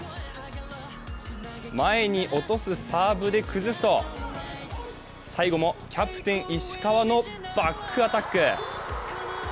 前に落とすサーブで崩すと最後もキャプテン・石川のバックアタック。